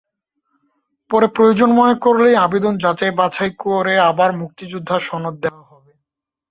পরে প্রয়োজন মনে করলে আবেদন যাচাই-বাছাই করে আবার মুক্তিযোদ্ধা সনদ দেওয়া হবে।